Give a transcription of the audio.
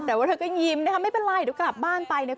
แต่ว่าท่อก็ยิมนะครับไม่เป็นไรด้วยกลับบ้านไปเนี่ย